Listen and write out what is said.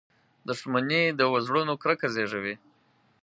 • دښمني د زړونو کرکه زیږوي.